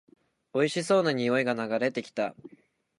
おいしそうな匂いが流れてきた